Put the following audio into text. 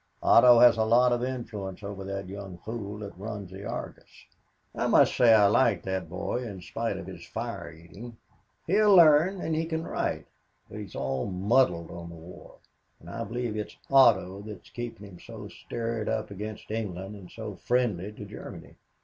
Otto has a lot of influence over that young fool that runs the Argus. I must say I like that boy in spite of his fire eating. He'll learn and he can write but he's all muddled on the war, and I believe it's Otto that's keeping him so stirred up against England and so friendly to Germany.